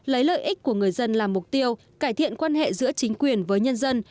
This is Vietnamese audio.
lấy lợi ích của người dân làm mục tiêu cải thiện quan hệ giữa chính quyền với nhân dân